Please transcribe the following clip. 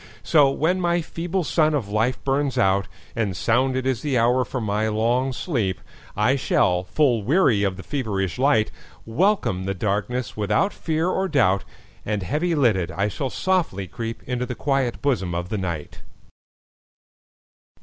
So when my feeble sun of life burns out, And sounded is the hour for my long sleep,I shall, full weary of the feverish light, Welcome the darkness without fear or doubt, And heavy lidded, I shall softly creepInto the quiet bosom of the Night.